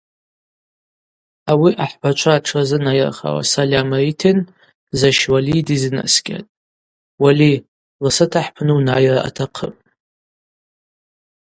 Ауи ахӏбачва тшырзынайырхауа сальам ритын Защ Уали дизынаскӏьатӏ: –Уали, ласыта хӏпны унайра атахъыпӏ.